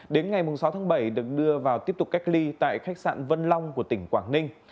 đến ngày sáu tháng bảy được đưa vào tiếp tục cách ly tại khách sạn vân long của tỉnh quảng ninh